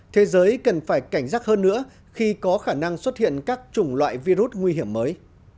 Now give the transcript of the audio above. thế giới cần phải cảnh giác hơn nữa khi có khả năng xuất hiện các chủng loại virus nguy hiểm mới